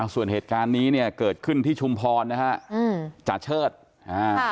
ส่วนเหตุการณ์นี้เนี่ยเกิดขึ้นที่ชุมพรนะฮะอืมจาเชิดอ่า